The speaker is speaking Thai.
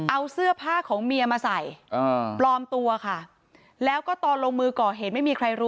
เอาเสื้อผ้าของเมียมาใส่ปลอมตัวค่ะ